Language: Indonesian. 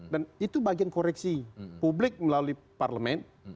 dan itu bagian koreksi publik melalui parlement